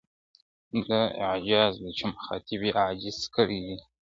دا إعجاز دی، چي مخاطب ئې عاجز کړي دي.